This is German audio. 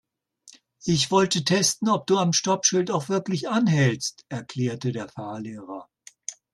"Ich wollte testen, ob du am Stoppschild auch wirklich anhältst", erklärte der Fahrlehrer.